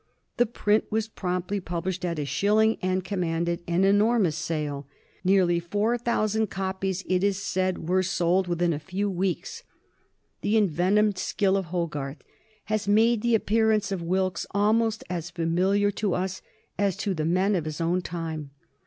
The print was promptly published at a shilling, and commanded an enormous sale. Nearly four thousand copies, it is said, were sold within a few weeks. The envenomed skill of Hogarth has made the appearance of Wilkes almost as familiar to us as to the men of his own time.